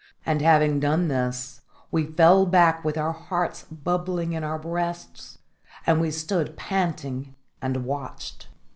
And having done this, we fell back with our hearts bubbling in our breasts, and we stood panting and watched.